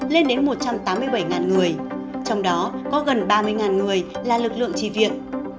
lên đến một trăm tám mươi bảy người trong đó có gần ba mươi người là lực lượng trì viện